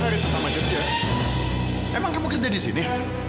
hari pertama jogja emang kamu kerja di sini